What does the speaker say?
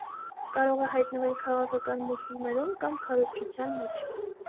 Կարող է հայտնվել քաղաքական մուլտֆիլմերում կամ քարոզչության մեջ։